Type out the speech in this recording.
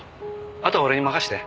あとは俺に任せて。